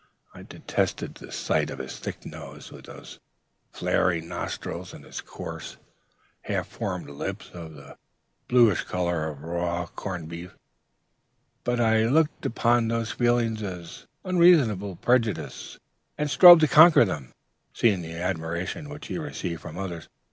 I detested the sight of his thick nose, with the flaring nostrils, and his coarse, half formed lips, of the bluish color of raw corned beef. But I looked upon these feelings as unreasonable prejudices, and strove to conquer them, seeing the admiration which he received from others.